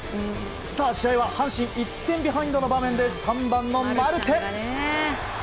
さあ、試合は阪神１点ビハインドの場面で３番のマルテ。